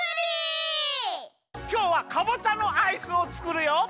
きょうはかぼちゃのアイスをつくるよ！